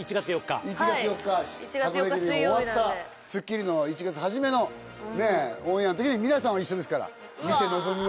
１月４日箱根駅伝が終わった『スッキリ』の１月初めのオンエア皆さんは一緒ですから見て臨みましょう。